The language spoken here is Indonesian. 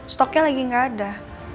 stoknya lagi gak ada